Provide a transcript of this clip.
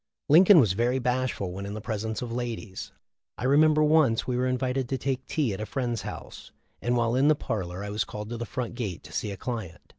Lincoln was very bashful when in the presence of ladies. I remember once we were invited to take tea at a friend's house, and while in the parlor I was called to the front gate to see a client.